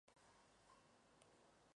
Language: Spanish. El "tawhid" tiene dos aspectos.